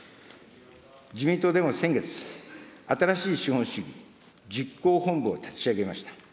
自民党でも先月、新しい資本主義実行本部を立ち上げました。